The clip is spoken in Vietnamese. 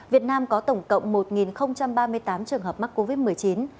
việt nam có tổng cộng một ba mươi tám trường hợp mắc covid một mươi chín